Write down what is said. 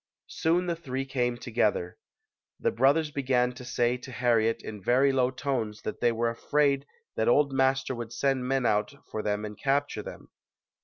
Soon the three came together. The brothers be gan to say to Harriet in very low tones that they were afraid that old master would send men out for them and capture them.